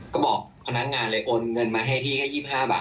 แล้วก็พนักงานโอนเงินมาให้พอ๒๔บาท